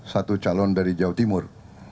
satu calon dari jawa timur